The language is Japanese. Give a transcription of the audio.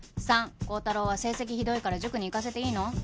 ３高太郎は成績ひどいから塾に行かせていいの？